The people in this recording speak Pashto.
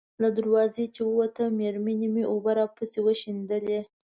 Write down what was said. له دروازې چې ووتم، مېرمنې مې اوبه راپسې وشیندلې.